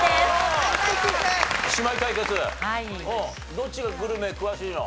どっちがグルメ詳しいの？